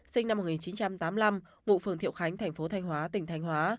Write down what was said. sinh năm một nghìn chín trăm tám mươi năm mụ phường thiệu khánh tp thanh hóa tỉnh thanh hóa